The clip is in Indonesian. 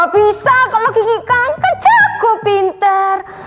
bisa kalau kiri kanker jago pinter